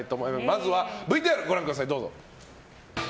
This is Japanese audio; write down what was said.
まずはＶＴＲご覧ください。